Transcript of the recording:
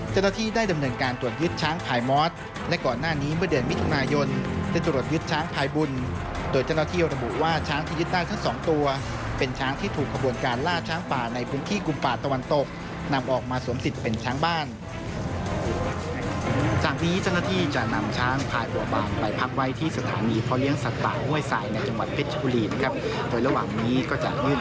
จริงมาจริงมาจริงมาจริงมาจริงมาจริงมาจริงมาจริงมาจริงมาจริงมาจริงมาจริงมาจริงมาจริงมาจริงมาจริงมาจริงมาจริงมาจริงมาจริงมาจริงมาจริงมาจริงมาจริงมาจริง